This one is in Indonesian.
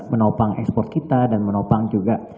menopang ekspor kita dan menopang juga